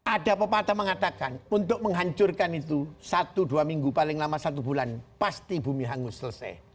ada pepatah mengatakan untuk menghancurkan itu satu dua minggu paling lama satu bulan pasti bumi hangus selesai